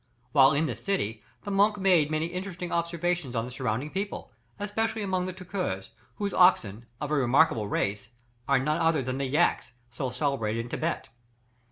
While in this city, the monk made many interesting observations on the surrounding people, especially upon the Tangurs, whose oxen, of a remarkable race, are no other than the Yaks, so celebrated in Thibet.